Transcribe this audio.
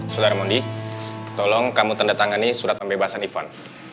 saudara mondi tolong kamu tanda tangani surat pembebasan ivan